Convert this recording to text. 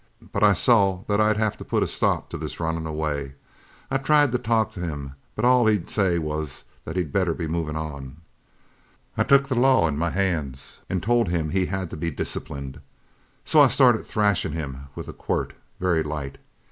But I saw that I'd have to put a stop to this runnin' away. I tried to talk to him, but all he'd say was that he'd better be movin' on. I took the law in my hands an' told him he had to be disciplined. So I started thrashin' him with a quirt, very light.